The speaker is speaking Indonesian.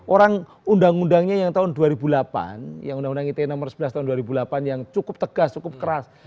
orang undang undangnya yang tahun dua ribu delapan yang undang undang ite nomor sebelas tahun dua ribu delapan yang cukup tegas cukup keras